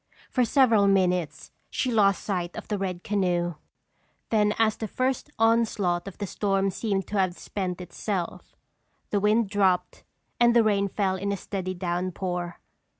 For several minutes she lost sight of the red canoe. Then as the first onslaught of the storm seemed to have spent itself, the wind dropped and the rain fell in a steady downpour.